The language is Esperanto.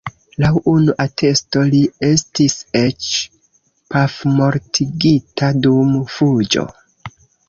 Laŭ unu atesto li estis eĉ pafmortigita dum fuĝo.